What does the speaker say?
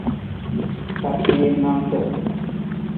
Tapiim nanta.